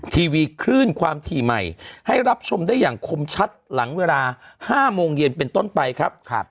ทีวีคลื่นความถี่ใหม่ให้รับชมได้อย่างคมชัดหลังเวลา๕โมงเย็นเป็นต้นไปครับ